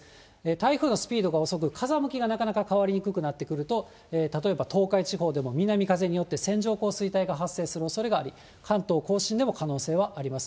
台風のスピードが遅く、風向きがなかなか変わりにくくなってくると、例えば東海地方でも南風によって線状降水帯が発生するおそれがあり、関東甲信でも可能性はあります。